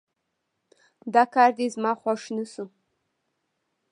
دا کار دې زما خوښ نه شو